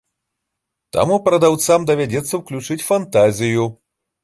Таму прадаўцам давядзецца ўключыць фантазію.